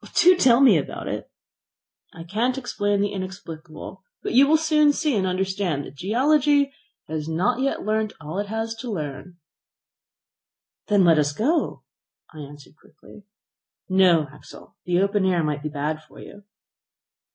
"Do tell me all about it." "I can't explain the inexplicable, but you will soon see and understand that geology has not yet learnt all it has to learn." "Then let us go," I answered quickly. "No, Axel; the open air might be bad for you."